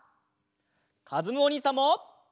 かずむおにいさんも！